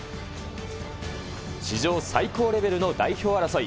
史上最高レベルの代表争い。